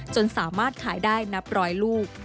จนสามารถขายได้นับร้อยลูก